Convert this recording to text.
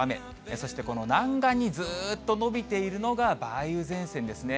そしてこの南岸にずっと延びているのが梅雨前線ですね。